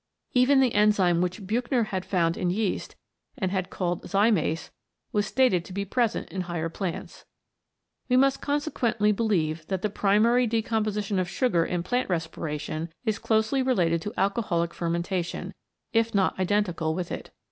Even the enzyme which Buchner had found in yeast and had called zymase was stated to be present in higher plants. We 118 CATALYSIS AND THE ENZYMES must consequently believe that the primary de composition of sugar in plant respiration is closely related to alcoholic fermentation, if not identical with it.